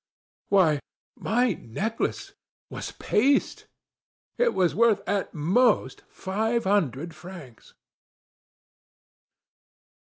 Why, my necklace was paste. It was worth at most five hundred francs!"